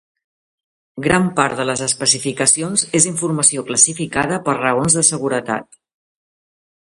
Gran part de les especificacions és informació classificada per raons de seguretat.